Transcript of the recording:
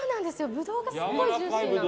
ブドウがすんごいジューシーなの。